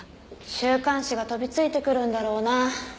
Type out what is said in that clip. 週刊誌が飛びついてくるんだろうな。